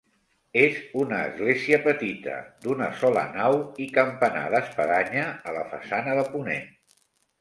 És una església petita, d'una sola nau i campanar d'espadanya a la façana de ponent.